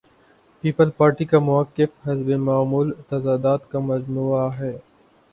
Peoples Party کا موقف حسب معمول تضادات کا مجموعہ ہے۔